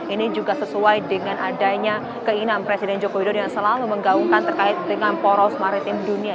ini juga sesuai dengan adanya keinginan presiden joko widodo yang selalu menggaungkan terkait dengan poros maritim dunia